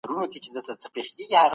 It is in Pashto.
پر څوکۍ باندې یو زوړ کالی پروت دی.